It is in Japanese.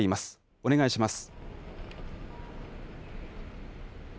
お願いします。